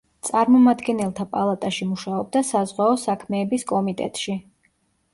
წარმომადგენელთა პალატაში მუშაობდა საზღვაო საქმეების კომიტეტში.